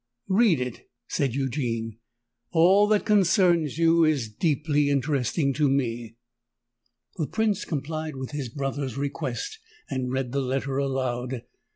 "Read it," said Eugene: "all that concerns you is deeply interesting to me." The Prince complied with his brother's request, and read the letter aloud.